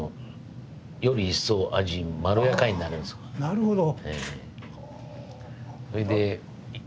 なるほど。